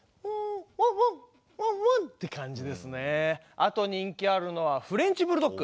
あと人気あるのはフレンチブルドッグ。